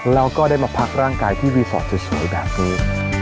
แล้วก็ได้มาพักร่างกายที่รีสอร์ทสวยแบบนี้